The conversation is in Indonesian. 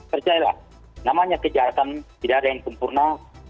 percayalah namanya kejahatan tidak ada yang sempurna